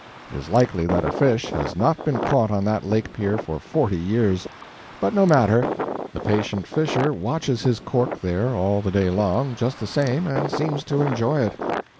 It is likely that a fish has not been caught on that lake pier for forty years; but no matter, the patient fisher watches his cork there all the day long, just the same, and seems to enjoy it.